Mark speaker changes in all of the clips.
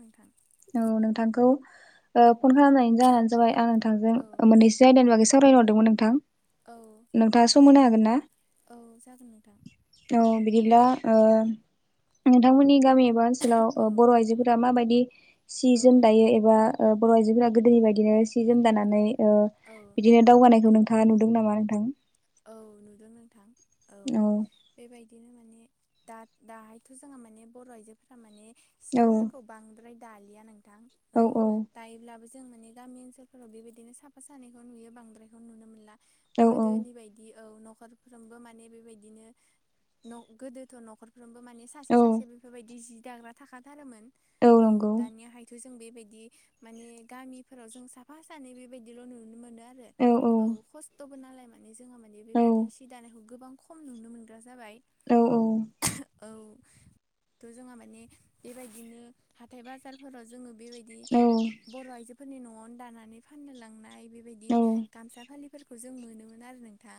Speaker 1: नोंथां।
Speaker 2: औ नोंथांखौ फन खालामनायनि जाहानो
Speaker 1: औ
Speaker 2: जाबाय आं
Speaker 1: औ
Speaker 2: नोंथांजों मोननैसो आयदानि बागै सावरायनो हरदोंमोन नोंथां।
Speaker 1: औ
Speaker 2: नोंथाङा सम
Speaker 1: जागोन
Speaker 2: होनो हागोन
Speaker 1: नोंथां
Speaker 2: ना?
Speaker 1: औ जागोन नोंथां।
Speaker 2: औ बिदिब्ला नोंथांमोननि गामि एबा ओनोलाव
Speaker 1: औ
Speaker 2: बर' आइजोफोरा माबायदि सि
Speaker 1: औ
Speaker 2: जोम एबा बर' आइजोफोरा गोदोनि बायदिनो सि जोम दानानै ओ
Speaker 1: औ
Speaker 2: बिदिनो दावगानायखौ नोंथाङा नुदों नामा नोंथां।
Speaker 1: औ नुदों नोंथां औ। बेबायदिनो माने दा दाहायथ' जोंहा माने बर' आइजोफोरा माने
Speaker 2: औ
Speaker 1: सिफोरखौ। बांद्राय दालिया नोंथां औ दायोब्लाबो जों माने गामि ओनसोलफोराव बेबायदिनो साफा सानैखौ नुयो बांद्रायखौ नुनो मोनला।
Speaker 2: औ
Speaker 1: गोदोनि बायदि। बिदि औ न'खरफ्रोमबो मान बेबायदिनो गोदोथ' न' सानफ्रोमबो माने सासे
Speaker 2: औ
Speaker 1: सासे बेफोरबायदि जि दाग्रा थाखाथारोमोन औ दानियाहाय। थ' जों बेबायदि माने गामिफोराव जों साफा सानै बेबायदिल' नुनो मोनो आरो
Speaker 2: औ औ
Speaker 1: औ खस्थ'बो नालाय माने जोङो माने
Speaker 2: औ
Speaker 1: बेबायदिनो सि दानायखौ गोबां खम नुनो मोनगोन। जाबाय।
Speaker 2: औ
Speaker 1: औ थ' जोंहा माने बेबायदिनो हाथाय बाजारफोराव जोङो बेबायदि।
Speaker 2: औ
Speaker 1: बर आइजोफोरनि न'आवनो दानानै फानोलांनाय बिबादि
Speaker 2: औ
Speaker 1: फोरखौ जों मोनोमोन आरो नोंथां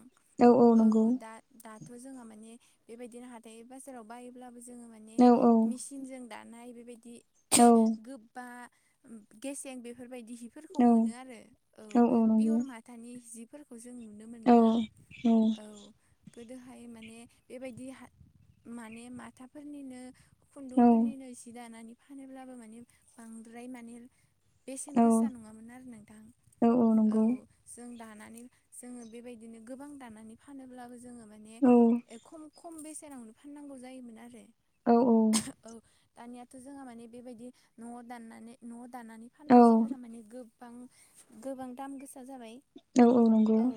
Speaker 1: औ दा दाथ' जोङो माने बेबायदिनो हाथाइ बाजाराव बायोब्लाबो जोङो माने
Speaker 2: औ औ
Speaker 1: मिसिन। थिनजों दानाय बेबायदि।
Speaker 2: औ
Speaker 1: गोबा गेसें बेफोरबायदि हिफोरखौ
Speaker 2: औ
Speaker 1: मोनो आरो औ पियर मा दानि जिफोरखौ जों नुनो
Speaker 2: औ
Speaker 1: मोनला।
Speaker 2: औ
Speaker 1: औ गोदोहाय माने बेबायदि माने माथाफोरनिनो
Speaker 2: औ
Speaker 1: खुन्दुंफोरनिनो जि दानानै फानोब्लाबो माने बांद्राय माने बेसेन
Speaker 2: औ
Speaker 1: गोसा नङामोन आरो नोंथां
Speaker 2: औ
Speaker 1: औ
Speaker 2: नंगौ
Speaker 1: जों दानानै जोङो बेबायदि। बिदिनो गोबां दानानै फानोब्लाबो जोङो माने
Speaker 2: औ
Speaker 1: खम खम बेसेनावनो फाननांगौ जायोमोन आरो
Speaker 2: औ
Speaker 1: औ दानियाथ' जोंहा माने बेबायदि न'आव दाननानै न'आव दनानै
Speaker 2: औ
Speaker 1: फाननाय जिफोरा माने गो गोबां गोबां दाम गोसा जाबाय
Speaker 2: औ नंगौ
Speaker 1: औ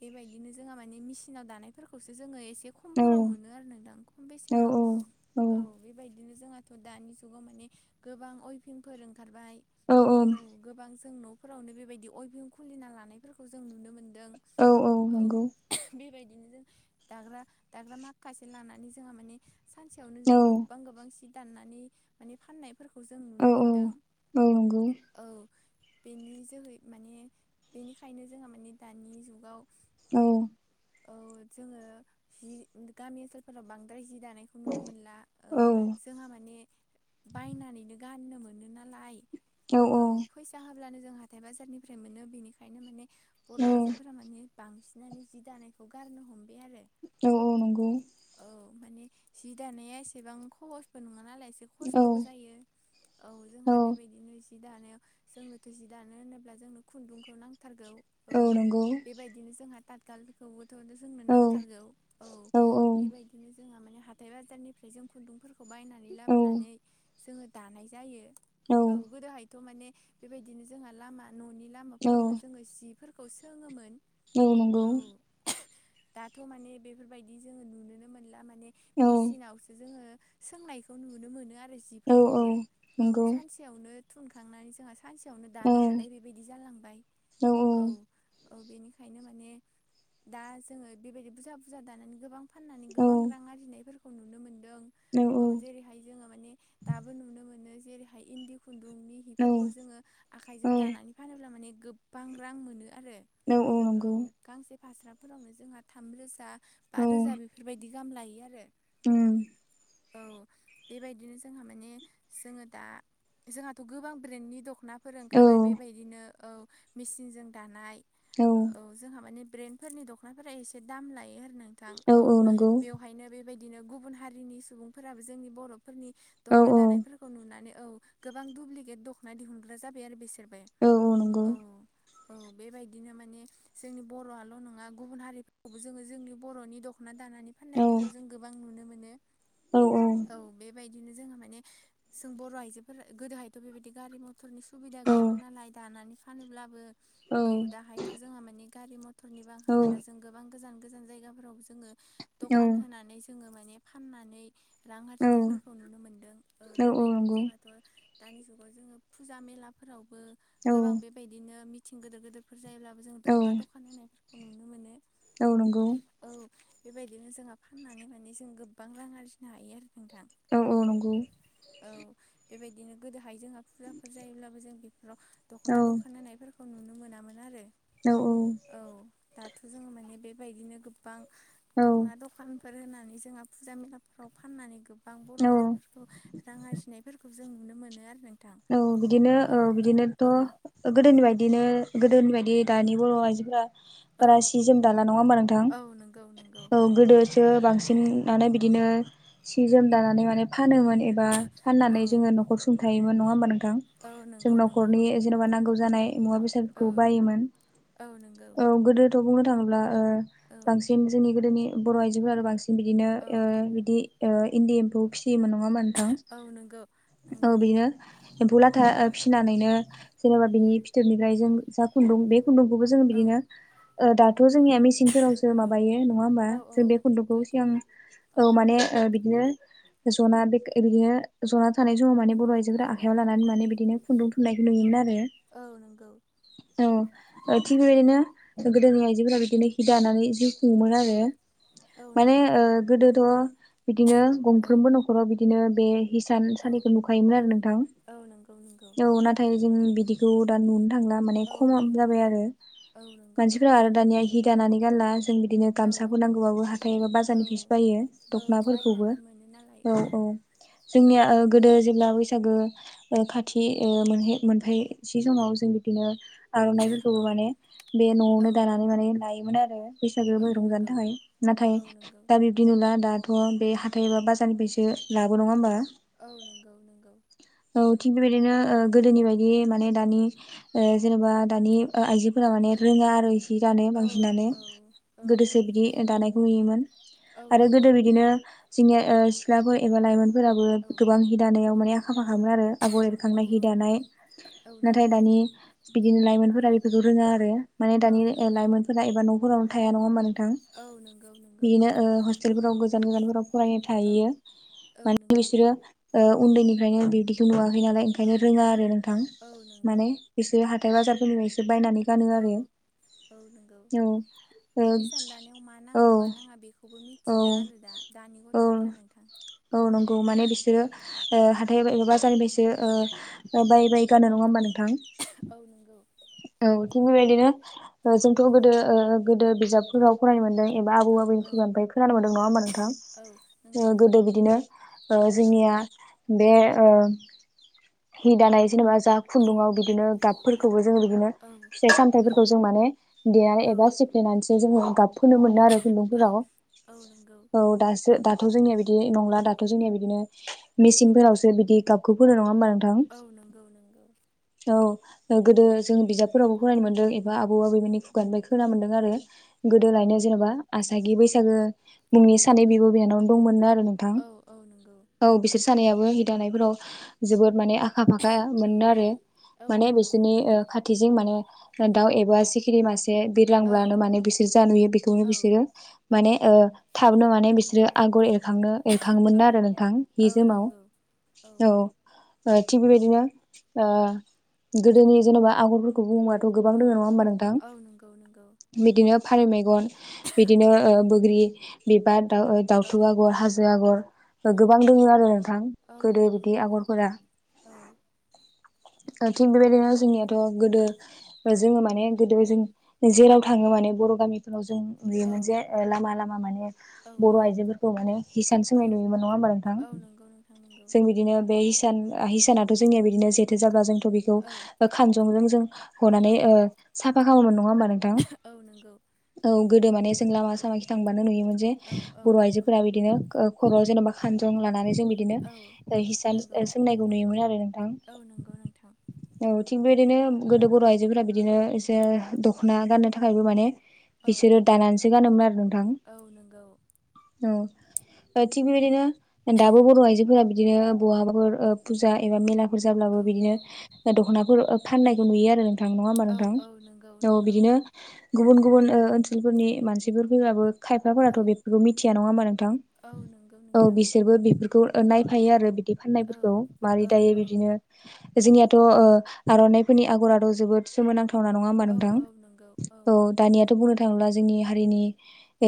Speaker 1: बेबायदिनो जोंहा माने मिसिनाव दानायफोरखौसो जोङो एसे
Speaker 2: औ
Speaker 1: खमफोराव मोनो आरो नोंथां खम
Speaker 2: औ
Speaker 1: बेसेनाव
Speaker 2: औ
Speaker 1: औ बेबायदिनो जोंहाथ दानि जुगाव माने गोबां अइभिंफोर ओंखारबाय औ गोबां जों न'फोरावनो बेबायदि अयभिं खुलिना लानायफोरखौ जों नुनो मोनदों दों
Speaker 2: औ
Speaker 1: औ
Speaker 2: नंगौ
Speaker 1: बेबायदिनो जों दाग्रा दाग्रा माखासे लानानै जोंहा माने सानसेयावनो
Speaker 2: औ
Speaker 1: जों गोबां गोबां सि दाननानै माने फाननाय फोरखौ जों
Speaker 2: औ
Speaker 1: नुनो मोनदों
Speaker 2: औ नंगौ
Speaker 1: औ बेनि जोहै माने बेनिखायनो जोंहा माने दानि जुगाव
Speaker 2: औ
Speaker 1: औ जोङो जि गामि ओनसोलफोराव बांद्राय जि दानाय खौ नुनो मोनला औ जोंहा माने बायनानैनो गाननो मोनो नालाय औ फैसा होब्लानो जों हााइ बाजारनिफ्राय मोनो बेनिखायनो माने बर
Speaker 2: औ
Speaker 1: आइजोफोरा माने बांसिनानो जि दानायखौ गारनो हमबाय आरो
Speaker 2: औ औ नंगौ
Speaker 1: औ माने जि दानाया एसेबां खज्ञसबो नङा नालाय एसे
Speaker 2: औ
Speaker 1: खस्थबो जायो औ जोंहा बेबायदिनो एस जि दानायाव जोंनो थ जि दानो होनोब्ला जोंनो खुन्दुंखौ नांथारगौ औ बेबाय बिदिनो जोंहा ताथगालफोरखौबोथ जोंनो
Speaker 2: औ
Speaker 1: नांथारगौ औ बेबायदि बिदिनो जोंहा माने हाथाय बाजारनिफ्राय जों खुन्दुंफोरखौ बायनानै लाबोनानै जोङो दानाय जायो औ गोदोहायथ माने बेबायदिनो जोंहा लामा ननि लामाफोरावनो जोङो सिफोरखौ सोङोमोन औ दाथ माने बेफोरबायदि जोङो नुनोनो मोनला माने मेसिनावसो जोङो सोंनायखौ नुनो मोनो आरो जिफोरखौबो औ सानसे सानसेयावनो थुनखांनानै जोंहा सानसेयावनो दानो हानाय बेबायदि जालांबाय औ औ बेनिखायनो माने दा जोङो बेबायदि बुरजा बुरजा दानानै गोबां फाननानै गोबां रां आरजिनायफोरखौ नुनो मोनदों औ जेरैहाय जोङो माने दाबो नुनो मोनो जेरैहाय इन्दि खुन्दुंनि
Speaker 2: औ
Speaker 1: हिफोरखौ जोङो
Speaker 2: औ
Speaker 1: आखायजों दानानै फानोब्ला माने गोबां रां मोनो आरो
Speaker 2: औ
Speaker 1: औ
Speaker 2: नंगौ
Speaker 1: गांसे फास्राफोरावनो जोंहा थामरोजा
Speaker 2: औ
Speaker 1: बा रोजा बेफोरबायदि गाहाम लायो आरो
Speaker 2: उम
Speaker 1: औ बेबायदिनो जोंहा माने जोङो दा जोंहाथ गोबां ब्रेन्डनि दखनाफोर
Speaker 2: औ
Speaker 1: ओंखारबाय बेबायदिनो औ मेचिनजों दानाय
Speaker 2: औ
Speaker 1: जोंहा माने ब्रेन्डफोरनि दखनाफोरा एसे दाम लायो आरो नोंथां औ बेवहायनो बेबाय बिदिनो गुबुन हारिनि सुबुंफोराबो जोंनि बरफोरनि
Speaker 2: औ
Speaker 1: दखना
Speaker 2: औ
Speaker 1: दानायफोरखौ नुनानै औ गोबां दुुब्लिकेट दखना दिहुनग्रा जाबाय आरो बेसोरबो
Speaker 2: औ औ नंगौ
Speaker 1: औ औ बेबायदिनो माने जोंनि बरआल नङा गुबुन हारिफोरखौबो जोङो जोंनि बरनि दख ना दानानै
Speaker 2: औ
Speaker 1: फान्नायफोरखौ जों गोबां नुनो
Speaker 2: औ
Speaker 1: औ बेबाय दिनो जोङो माने जों बर आइजोफोर गोदोहायथ बेबायदि गारि मथर टरनि सुबिदा
Speaker 2: औ
Speaker 1: गैयामोन नालाय दानानै फानोब्लाबो औ दाहायथ जोंहा मानि गारि मथर टरनि बो
Speaker 2: औ
Speaker 1: आंखाल गैला जों गोबां गोजान गोजान जायगाफोराव जोङो
Speaker 2: औ
Speaker 1: दखान होनानै जोङो माने फाननानै रां आरजिनायफोरखौ नुनो मोनदों औ बेबायदिनो जोंहाथ दानि जुगाव जोङो फुजा मेलाफोरावबो
Speaker 2: औ
Speaker 1: गोबां बेबायदिनो मिथिं गोदोर गोदोरफोर जायोब्ला जों दखना दखान होनायफोरखौ नुनो मोनो
Speaker 2: औ नंगौ
Speaker 1: औ बेबायदिनो जोंहा फाननानै माने जों गोबां रां आरजिनो हायो आरो नोंथां
Speaker 2: औ औ नंगौ
Speaker 1: औ बेबायदिनो गोदोहाय जोंहा फुजाफोर जायोब्लाबो जों बेफोराव दख'ना दखान होनायफोरखौ नुनो मोनामोन आरो
Speaker 2: औ औ
Speaker 1: औ दाथ' जोङो माने बेबायदिनो गोबां दख'ना दख'ना खानफोर होनानै जोंहा फुजा मेलाफोराव फाननानै गोबां
Speaker 2: औ
Speaker 1: बर आइजोफोरखौ रां आरजिनायफोरखौ जों नुनो मोनो आरो नों
Speaker 2: औ बिदिनो औ बिदिनोथ गोदोनि बायदिनो गोदोनि बायदि दानि बर आइजोफोरा
Speaker 1: औ
Speaker 2: बारा सि जोम दाला नङा ओमबा नोंथां
Speaker 1: औ नंगौ नंगौ
Speaker 2: औ गोदोसो
Speaker 1: औ
Speaker 2: बांसिन मान बिदिनो सि जोम दानानै माने फानोमोन एबा फाननानै
Speaker 1: औ
Speaker 2: जोङो न' थायोमोन नङा ओमबा नोंथां?
Speaker 1: औ
Speaker 2: जों
Speaker 1: नंगौ नंगौ
Speaker 2: न'खरनि जेन'बा नांगौ जानाय मुवा
Speaker 1: औ
Speaker 2: बेसादफोरखौ बायोमोन।
Speaker 1: औ नंगौ।
Speaker 2: थ' बुंनो थाङोब्ला
Speaker 1: औ
Speaker 2: बांसिन जोंनि गोदोनि बर' आइजोफोरा आरो बांसिन बिदिनो
Speaker 1: औ
Speaker 2: बिदि इन्दि एम्फौ सिमोन नङाामा नोंथां
Speaker 1: औ नंगौ
Speaker 2: औ
Speaker 1: नंगौ
Speaker 2: बेनो एम्फौ लाथा फिसिनानैनो जेनेबा बेनि फिथोबनिफ्राय जों जा खुन्दुं बे खुन्दुंखौबो जोंङो
Speaker 1: औ
Speaker 2: बिदिनो दाथ' जोंनिया मेसिनफोरावसो
Speaker 1: औ
Speaker 2: माबायो नङा होमबा
Speaker 1: औ औ
Speaker 2: जों बे खुन्द'खौ
Speaker 1: गोदो
Speaker 2: सिगां औ माने बिदिनो जना बे बिदिनो जना थानाय समाव माने बर'
Speaker 1: औ
Speaker 2: आइजोफोरा आ
Speaker 1: औ
Speaker 2: मान बिदिनो खुन्दुं थुननायखौ नुयोमोन आरो
Speaker 1: औ नंगौ
Speaker 2: औ थिग बेबायदिनो गोदोनि आइजोफोरा बिदिनो हि दानानै जि बुंमोन
Speaker 1: औ
Speaker 2: आरो
Speaker 1: औ
Speaker 2: माने
Speaker 1: नंगौ
Speaker 2: गोदोथ' बिदिनो
Speaker 1: औ
Speaker 2: गंफ्रोमबो नखर न'खराव बिदिनो बे हिसान
Speaker 1: औ
Speaker 2: सलिखौ नुखायोमोन आरो नोंथां।
Speaker 1: औ नंगौ नंगौ।
Speaker 2: औ नाथाय जों बिदिखौ दा नुनो थांला। मे
Speaker 1: औ
Speaker 2: खम
Speaker 1: नुनो
Speaker 2: जाबाय
Speaker 1: मोनला
Speaker 2: आरो
Speaker 1: औ नंगौ
Speaker 2: मानसिफोरा आरो दानिया हि दानानै गारला जों बिदिनो
Speaker 1: औ
Speaker 2: गामसाफोर नांगौबाबो हाथाय एबा
Speaker 1: औ
Speaker 2: बाजारनिफ्रायिस बायो
Speaker 1: औ
Speaker 2: दख'नाफोरखौबो
Speaker 1: बायनानै मोनो नालाय
Speaker 2: औ औ जोंनिया गोदो जेब्ला बैसागो। ओ खाथि ओ मोनफायसि समाव जों बिदिनो आर'नाइफोरखौबो
Speaker 1: औ
Speaker 2: माने बे
Speaker 1: औ
Speaker 2: न'आवनो दानानै माने लायोमोन आरो
Speaker 1: औ
Speaker 2: फैसोबो रंजानो
Speaker 1: नंगौ
Speaker 2: थाखाय नाथाय
Speaker 1: औ नंगौ
Speaker 2: दा बे बिदि नुला दाथ' बे हाथायबा बाजारनिफ्रायसो लाबो नङा ओमबा?
Speaker 1: औ नंगौ नंगौ।
Speaker 2: औ थिग बेबायदिनो गोदोनि बायदि माने दानि जेनेबा दानि आइजोफोरा माने
Speaker 1: औ
Speaker 2: रोङा आरो इसे दानो
Speaker 1: औ
Speaker 2: बांसिनानो
Speaker 1: औ औ
Speaker 2: गोदोसो बिदि दानायखौ नुयोमोन।
Speaker 1: औ
Speaker 2: आरो
Speaker 1: नंगौ
Speaker 2: गोदो बिदिनो जोंनिया सिख्लाफोर एबा लाइमोनफोराबो
Speaker 1: औ
Speaker 2: गोबां हि दानायाव माने
Speaker 1: औ
Speaker 2: हाबो आरो आगर एरखांनाय
Speaker 1: औ
Speaker 2: हि
Speaker 1: औ
Speaker 2: दानाय
Speaker 1: औ
Speaker 2: नाथाय
Speaker 1: नंगौ
Speaker 2: दानि बिदि लाइमोनफोरखौ रोङा आरो मान
Speaker 1: औ
Speaker 2: दानि
Speaker 1: नंगौ
Speaker 2: लाइ फोरा एबा न'फोरावनो थाया नङा ओमबा नोंथां
Speaker 1: औ नंगौ नंगौ
Speaker 2: बिदिनो ओ [unintelligible] गोजान गोजानफोराव फरायनो
Speaker 1: औ
Speaker 2: थाहैयो
Speaker 1: औ
Speaker 2: मान
Speaker 1: नंगौ
Speaker 2: बिसोरो ओ उन्दैनिफ्रायनो बिदि बेखौ नुवाखै नालाय
Speaker 1: औ
Speaker 2: ओंखायनो रोङा
Speaker 1: औ
Speaker 2: आरो नोंथां
Speaker 1: औ नंगौ
Speaker 2: माने बिसोर हाथाय बाजारफोरनिफ्रायसो बायनानै गानो
Speaker 1: औ
Speaker 2: आरो
Speaker 1: औ नोंगौ।
Speaker 2: औ ओ
Speaker 1: फिसान दानायाव मा नांगौ मा नाङा बेखौबो
Speaker 2: औ
Speaker 1: मिथिला आरो दा दानि
Speaker 2: औ
Speaker 1: गथ'फोरा नोंथां
Speaker 2: औ नंगौ माने बिसोरो हाथाय बाजारनिफ्रायसो
Speaker 1: औ
Speaker 2: ओ बायै बायै गान नङा ओमबाबा नोंथां?
Speaker 1: औ नंगौ।
Speaker 2: औ थिग बेबायदिनो जोंथ' गोदो गोदो बिजाब स्कुलाव फरायनो मोनदों एबा आबौ
Speaker 1: औ
Speaker 2: आबैनि
Speaker 1: औ
Speaker 2: खुगानिफ्राय खोनानो मोनदों नङा होमबा नोंथां?
Speaker 1: औ नंगौ नोंथां
Speaker 2: गोदो बिदिनो ओ
Speaker 1: औ
Speaker 2: जोंनिया बे हि दानाय जेनेबा जा
Speaker 1: औ
Speaker 2: खुन्दुङाव बिदिनो गाबफोरखौबो जोङो बिदिनो फिथाइ
Speaker 1: औ
Speaker 2: सामथायफोरखौ जों माने देनानै
Speaker 1: औ
Speaker 2: एबा फ्लेनानै जोङो गाब फोनोमोननो आरो
Speaker 1: औ
Speaker 2: खुन्दुंफोराव
Speaker 1: औ नंगौ
Speaker 2: औ दासो दा दाथ' जोंनिया बिदि नंला दाथ' जोंनिया बिदिनो
Speaker 1: औ
Speaker 2: मेसिनफोरावसो बिदि गाबखौ फोनो नङा होमबा नों
Speaker 1: औ नंगौ नंगौ।
Speaker 2: औ गोदो जों बिजाबफोरावबो फरायनो मोनदों बा आबौ आबैनि खुगानिफ्राय खोना मोनदों आरो
Speaker 1: औ
Speaker 2: गोदोलायनो
Speaker 1: नंगौ
Speaker 2: जेनेबा आसागि बैसागो मुंनि
Speaker 1: औ
Speaker 2: सानै बिब' बिनानावनो दंमोननो आरो नोंथां
Speaker 1: औ औ नंगौ
Speaker 2: औ बिसोर सानैयाबो हि दानायफोराव जोबोद माने आखा फाखा
Speaker 1: औ
Speaker 2: मोननो आरो
Speaker 1: औ
Speaker 2: माने
Speaker 1: नंगौ
Speaker 2: बिसोरनि ओ खाथिजोंं माने दाउ एबा सिखिरि मासे एसे
Speaker 1: औ
Speaker 2: बिरलांब्लानो माने बिसोर जा नुयो बेखौनो
Speaker 1: औ
Speaker 2: बिसोरो माने थाबनो माने बिसोरो आगर एरखांनो
Speaker 1: औ
Speaker 2: एरखाङोमोन आरो नोंथां हि
Speaker 1: औ
Speaker 2: जोमाव
Speaker 1: नंगौ औ
Speaker 2: औ थिग बेबायदिनो ओ गोदोनि जेनेबा आगरफोरखौ बहाथ' गोबां
Speaker 1: औ
Speaker 2: दङ नङा होमबा नोंथां?
Speaker 1: औ नंगौ नंगौ
Speaker 2: बिदिनो फारौ मेगन बिदिनो
Speaker 1: औ
Speaker 2: बग्रि बिबार दाउ
Speaker 1: औ
Speaker 2: दाउथु आगर हाजो आगर
Speaker 1: औ
Speaker 2: गोबां दङ आरो नोंथां
Speaker 1: औ
Speaker 2: गोदो
Speaker 1: नंगौ
Speaker 2: बिदि
Speaker 1: नोंथां
Speaker 2: आगरफोरा
Speaker 1: औ
Speaker 2: थिग बेबायदिनो जोंनियाथ' गोदो जोङो माने गोदो जों जेराव थाङो माने बर' गामिफोराव जों
Speaker 1: औ
Speaker 2: नुयोमोन जे लामा लामा माने
Speaker 1: औ
Speaker 2: बर'
Speaker 1: औ
Speaker 2: आइजोफोरखौ माने हिसान
Speaker 1: औ
Speaker 2: सोंनाय नुयोमोन नङा होमबा नोंथां?
Speaker 1: औ नंगौ नोंथां नंगौ।
Speaker 2: जों बिदिनो बे हिसान हिसानाथ' जोंनिया बिदिनो जेथो जाब्ला जोंथ' बेखौ
Speaker 1: औ
Speaker 2: खानजंजों जों
Speaker 1: औ
Speaker 2: हनानै
Speaker 1: औ
Speaker 2: साफा खामोमोन नङा होमबा नोंथां?
Speaker 1: औ नंगौ।
Speaker 2: औ गोदो माने जों लामा सामा खि थांबानो नुयोमोन जे
Speaker 1: औ औ
Speaker 2: बर' आइजोफोर फोरा बिदिनो खब'आव जेन'बा खानजं लानानै जों बिदिनो
Speaker 1: औ
Speaker 2: हिसान
Speaker 1: नंगौ
Speaker 2: सोंनायखौ नुयोमोन आरो नोंथां
Speaker 1: औ नंगौ नोंथां
Speaker 2: औ थिग बेबायदिनो गोदो बर' आइजोफोरा बिदिनो एसे दख'ना गाननो थाखायबो माने
Speaker 1: औ
Speaker 2: बिसोरो दानानैसो गानोमोन आरो नोंथां
Speaker 1: औ नंगौ
Speaker 2: औ थिग बेबायदिनो दाबो बर'
Speaker 1: औ
Speaker 2: आयजो फोरा बिदिनो बहाबाफोर फुजा एबा मेलाफोर जाब्लाबो
Speaker 1: औ
Speaker 2: बिदिनो
Speaker 1: औ
Speaker 2: दख'नाफोर फाननायखौ नुयो आरो नोंथां नङा होमबा
Speaker 1: औ
Speaker 2: नोंथां
Speaker 1: औ नंगौ
Speaker 2: औ
Speaker 1: नंगौ
Speaker 2: बिदिनो गुबुन गुबुन ओनसोलफोरनि मानसिफोर फैबाबो
Speaker 1: औ
Speaker 2: खायफाफोराथ' बेफोरखौ मिथिया नङा होमा नोंथां
Speaker 1: औ नंगौ
Speaker 2: औ
Speaker 1: नोंथां
Speaker 2: बिसोरबो बेफोरखौ नायफायो आरो बिदि
Speaker 1: औ
Speaker 2: फाननायफोरखौ मारै
Speaker 1: औ
Speaker 2: दायो
Speaker 1: औ
Speaker 2: बिदिनो जोंनियाथ' आर'नाइफोरनि आगरथ' जोबोद सोमोनांथावना नङा होनोमबा
Speaker 1: औ
Speaker 2: नोंथां
Speaker 1: औ नंगौ
Speaker 2: औ दानियाथ' बुंनो थाङोब्ला जोंनि हारिनि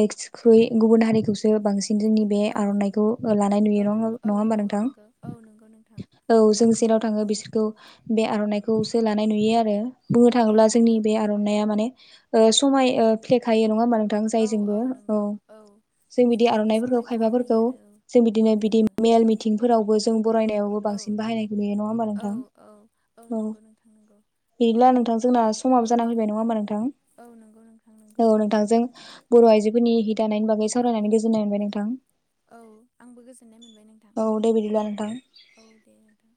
Speaker 2: एसख्रुय गुबुन हारिखौ सो बांसिन जोंनि बे
Speaker 1: औ
Speaker 2: आर'नाइखौ लानाय नुयो नङा
Speaker 1: औ औ
Speaker 2: नङा होमबा
Speaker 1: औ
Speaker 2: नोंथां।
Speaker 1: नंगौ औ नंगौ नोंथां
Speaker 2: औ जों जेराव थाङो
Speaker 1: औ
Speaker 2: बिसोरखौ बे आर'नाइ खौसो लानाय नुयो आरो बुंनो
Speaker 1: औ
Speaker 2: थाङोब्ला जोंनि
Speaker 1: नंगौ
Speaker 2: बे आर'नाइया माने ओ समाय फ्लेखायो नङा होमबा नोंथां जायजोंबो औ जों बिदि
Speaker 1: जेरैबो
Speaker 2: आर'नाइफोरखौ खायबाफोरखौ
Speaker 1: समायफ्लेखायो आरो
Speaker 2: जों बिदिनो बिदि
Speaker 1: औ
Speaker 2: मेल मिथिंफोरावबो जों बरायनायाव बो बांसिन बायनायखौ नुयो नङा होमबा
Speaker 1: औ औ
Speaker 2: नोंथां
Speaker 1: औ
Speaker 2: औ।
Speaker 1: नंगौ नोंथां नंगौ
Speaker 2: गैला नोंथां जोंना
Speaker 1: औ
Speaker 2: समाबो जाना फैबाय नङा होमा नोंथां?
Speaker 1: औ नंगौ नोंथां नंगौ
Speaker 2: औ नोंथांजों बर' आइजोफोरनि हि दानायनि बागै सावरायनानै गोजोननाय मोनबाय नोंथां
Speaker 1: औ आंबो गोजोननाय मोनबाय नों
Speaker 2: औदे बिदिब्ला नोंथां
Speaker 1: औ दे नोंथां।